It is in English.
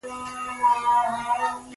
The album was very well received by critics.